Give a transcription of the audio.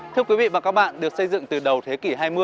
thưa quý vị và các bạn được xây dựng từ đầu thế kỷ hai mươi